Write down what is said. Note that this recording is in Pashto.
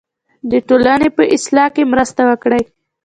د ټولنې په اصلاح کې مرسته وکړئ.